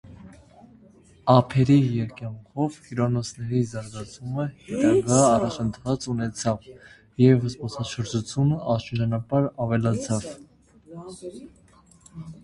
Ափերի երկայնքով հյուրանոցների զարգացումը հետագա առաջընթաց ունեցավ, և զբոսաշրջությունն աստիճանաբար ավելացավ։